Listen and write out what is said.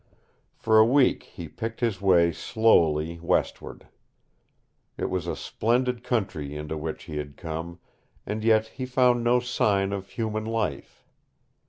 For a week he picked his way slowly westward. It was a splendid country into which he had come, and yet he found no sign of human life.